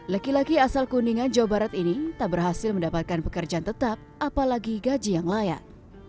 laki laki asal kuningan jawa barat ini tak berhasil mendapatkan pekerjaan tetap apalagi gaji yang layak